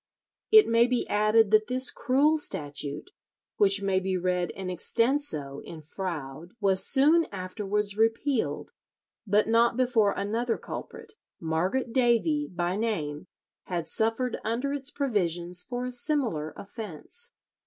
It may be added that this cruel statute, which may be read in extenso in Froude, was soon afterwards repealed, but not before another culprit, Margaret Davy by name, had suffered under its provisions for a similar offence.